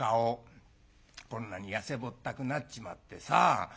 こんなに痩せぼったくなっちまってさ。